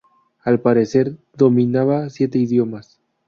Al parecer, dominaba siete idiomas.